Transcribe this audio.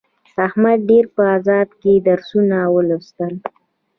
احمد ډېر په عذاب کې درسونه ولوستل.